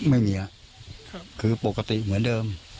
ไม่มีครับคือปกติเหมือนเดิม